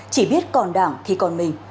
chỉ biết còn đảng thì còn mình